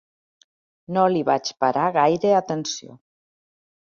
No li vaig parar gaire atenció.